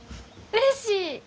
うれしい！